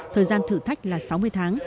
thời gian thử thách là sáu mươi tháng